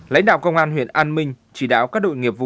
lãnh đạo công an huyện an minh chỉ đạo các đội nghiệp vụ